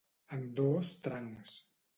En dos trancs.